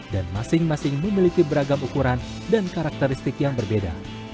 dan masing masing memiliki beragam ukuran dan karakteristik yang berbeda